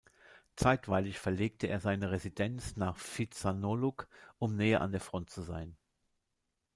Zeitweilig verlegte er seine Residenz nach Phitsanulok, um näher an der Front zu sein.